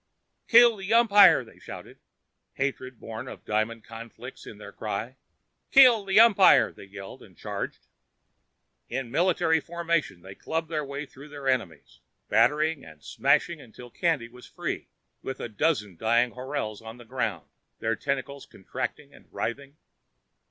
"Kill the umpire!" they shouted, hatred born of diamond conflicts in their cry. "Kill the umpire!" they yelled and charged. In military formation, they clubbed their way through their enemies, battering and smashing until Candy was free, with a dozen dying horals on the ground, their tentacles contracting and writhing.